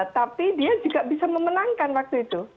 tapi dia juga bisa memenangkan waktu itu